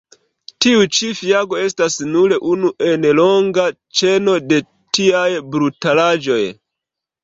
Tiu ĉi fiago estas nur unu en longa ĉeno de tiaj brutalaĵoj.